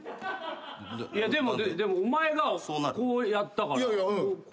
でもお前がこうやったから。